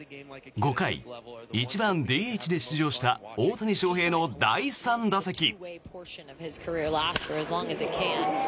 ５回、１番ＤＨで出場した大谷翔平の第３打席。